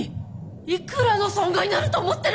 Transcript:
いくらの損害になると思ってる！